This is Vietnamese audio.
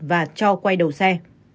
và cho quay đầu xe